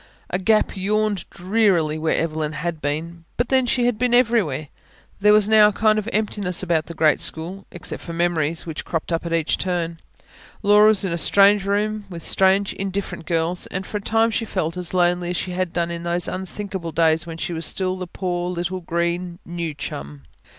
A gap yawned drearily where Evelyn had been but then, she had been everywhere. There was now a kind of emptiness about the great school except for memories, which cropped up at each turn. Laura was in a strange room, with strange, indifferent girls; and for a time she felt as lonely as she had done in those unthinkable days when she was still the poor little green "new chum".